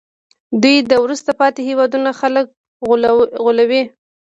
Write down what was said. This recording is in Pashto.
دوی د وروسته پاتې هېوادونو خلک غولوي